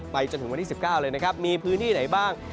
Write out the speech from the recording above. จนถึงวันที่๑๙เลยนะครับมีพื้นที่ไหนบ้าง